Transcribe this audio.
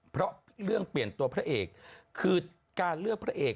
เพราะเรื่องเปลี่ยนตัวพระเอกคือการเลือกพระเอก